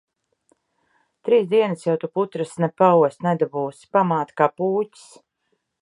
Trīs dienas jau tu putras ne paost nedabūsi. Pamāte kā pūķis.